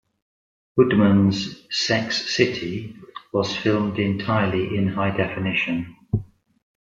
Woodman's "Sex City" was filmed entirely in high definition.